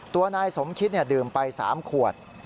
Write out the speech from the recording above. ตัวนายสมคิตดื่มไป๓ขวด